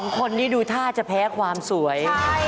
คนนี้ดูท่าจะแพ้ความสวย